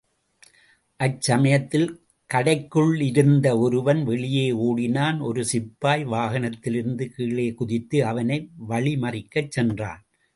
அச்சமயத்தில் கடைக்குள்ளிருந்த ஒருவன் வெளியே ஓடினான் ஒரு சிப்பாய், வாகனத்திலிருந்து கீழே குதித்து அவனை வழிமறிக்கச் சென்றான்.